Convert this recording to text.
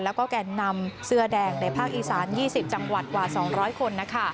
แล้วก็แก่นนำเสื้อแดงในภาคอีสาน๒๐จังหวัดกว่า๒๐๐คน